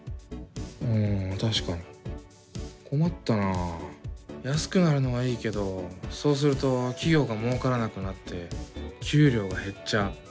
ん確かに困ったな。安くなるのはいいけどそうすると企業がもうからなくなって給料が減っちゃう。